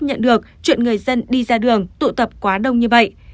nhận được chuyện người dân đi ra đường tụ tập quá đông như vậy